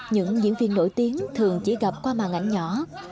những diễn viên nổi tiếng thường chỉ gặp qua màn ảnh nhỏ